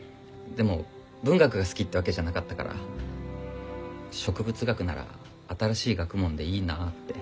でも文学が好きってわけじゃなかったから植物学なら新しい学問でいいなあって。